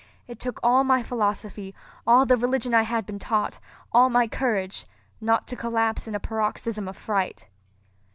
It took all my philosophy, all the religion I had been taught, all my courage, not to collapse in a paroxysm of fright.